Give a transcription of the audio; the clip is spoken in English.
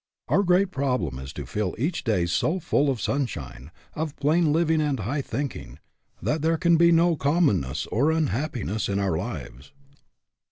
Our great problem is to fill each day so full of sunshine, of plain living and high thinking, that there can be no commonness or unhappi ness in our lives.